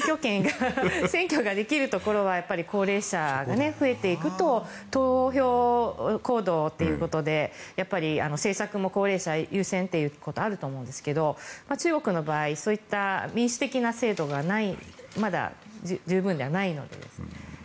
選挙ができるところは高齢者が増えていくと投票行動ということで政策も高齢者優先ということはあると思うんですが中国の場合はそういった民主的な制度がないまだ十分ではないので。